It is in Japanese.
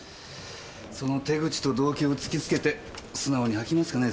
その手口と動機を突きつけて素直に吐きますかね？